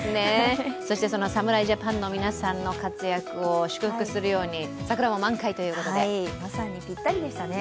そして、その侍ジャパンの皆さんの活躍を祝福するようにまさにぴったりでしたね。